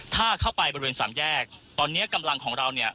ถ้าเข้าไปบริเวณสามแยกตอนนี้กำลังของเราเนี่ย